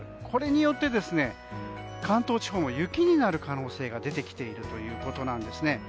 これによって関東地方も雪になる可能性が出てきているということなんですね。